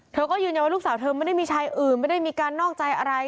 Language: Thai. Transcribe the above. เธอก็ยืนยันว่าลูกสาวเธอไม่ได้มีชายอื่นไม่ได้มีการนอกใจอะไร